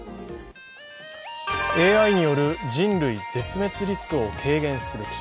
ＡＩによる人類絶滅リスクを軽減するべき。